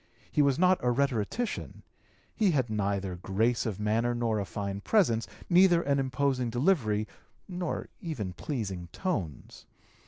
He was not a rhetorician; he had neither grace of manner nor a fine presence, neither an imposing delivery, nor even pleasing tones.